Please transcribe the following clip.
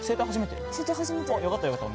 よかったよかった。